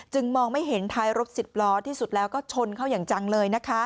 มองไม่เห็นท้ายรถสิบล้อที่สุดแล้วก็ชนเข้าอย่างจังเลยนะคะ